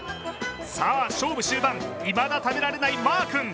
さあ勝負終盤、いまだ食べられないマーくん。